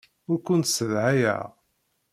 Ur kent-ssedhayeɣ.